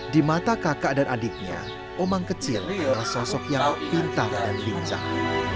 di mata kakak dan adiknya omang kecil adalah sosok yang pintar dan pinjang